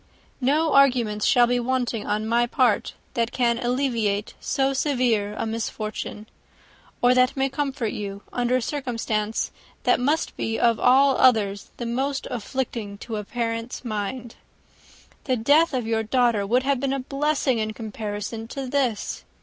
No arguments shall be wanting on my part, that can alleviate so severe a misfortune; or that may comfort you, under a circumstance that must be, of all others, most afflicting to a parent's mind. The death of your daughter would have been a blessing in comparison of this.